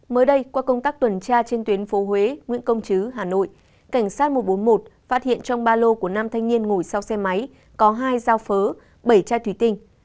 mới đây qua công tác tuần tra trên tuyến phố huế nguyễn công chứ hà nội cảnh sát một trăm bốn mươi một phát hiện trong ba lô của nam thanh niên ngồi sau xe máy có hai dao phớ bảy chai thủy tinh